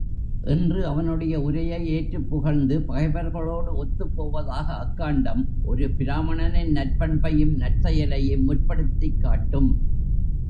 என்று அவனுடைய உரையை ஏற்றுப் புகழ்ந்து பகைவர்களோடு ஒத்துப்போவதாக அக்காண்டம் ஒரு பிராமணனின் நற்பண்பையும் நற்செயலையும் முற்படுத்திக் காட்டும்.